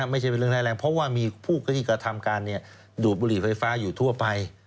ไม่ใช่เป็นเรื่องร้ายแรงเพราะว่ามีผู้ที่กระทำการดูดบุหรี่ไฟฟ้าอยู่ทั่วไป